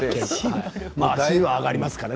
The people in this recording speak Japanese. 足が上がりますからね。